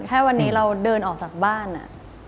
แค่วันนี้เราเดินออกจากบ้าน